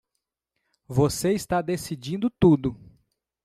Você está decidindo tudo!